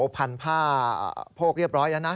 พันผ้าโพกเรียบร้อยแล้วนะ